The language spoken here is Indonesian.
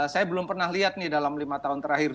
saya belum pernah lihat nih dalam lima tahun terakhir